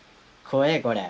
怖えこれ。